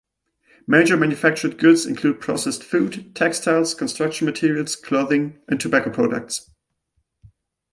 Major manufactured goods include processed food, textiles, construction materials, clothing and tobacco products.